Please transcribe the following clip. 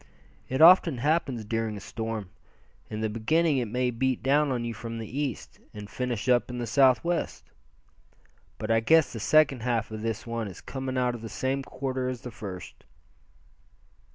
"It often happens during a storm. In the beginning it may beat down on you from the east, and finish up in the southwest. But I guess the second half of this one is coming out of the same quarter as the first."